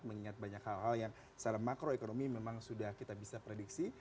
mengingat banyak hal hal yang secara makroekonomi memang sudah kita bisa prediksi